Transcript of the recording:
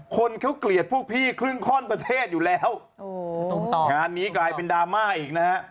คนเขาเกลียดพวกพี่ครึ่งข้อนประเทศอยู่แล้วงานนี้กลายเป็นดราม่าอีกนะฮะ